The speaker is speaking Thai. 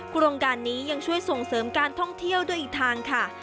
โครงการนี้ยังช่วยส่งเสริมการท่องเที่ยวด้วยอีกทางค่ะ